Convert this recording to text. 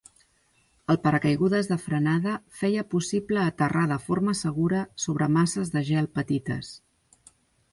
El paracaigudes de frenada feia possible aterrar de forma segura sobre masses de gel petites.